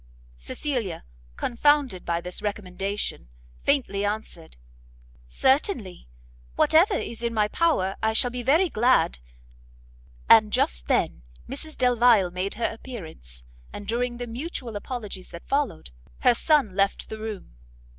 Cecilia, confounded by this recommendation, faintly answered "Certainly, whatever is in my power, I shall be very glad " And just then Mrs Delvile made her appearance, and during the mutual apologies that followed, her son left the room.